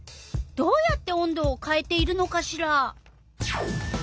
どうやって温度をかえているのかしら？